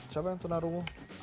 siapa yang tuh naruhmu